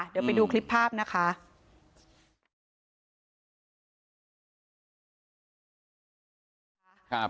เดี๋ยวไปดูคลิปภาพนะคะ